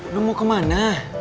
lo mau kemana